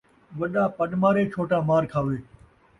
وݙا پݙ مارے ، چھوٹا مار کھاوے